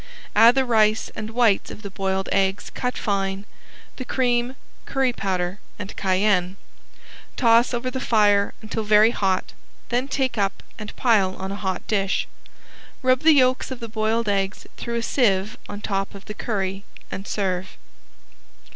Add the rice and whites of the boiled eggs cut fine, the cream, curry powder and cayenne. Toss over the fire until very hot, then take up and pile on a hot dish. Rub the yolks of the boiled eggs through a sieve on top of the curry, and serve.